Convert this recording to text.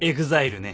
ＥＸＩＬＥね。